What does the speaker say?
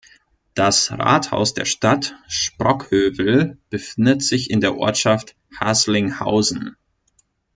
Das Rathaus der Stadt Sprockhövel befindet sich in der Ortschaft Haßlinghausen.